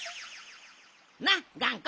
なっがんこ！